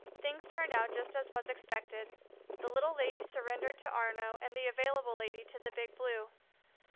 Things turned out just as was expected. The Little Lady surrendered to Arnaux and the Available Lady to the Big Blue.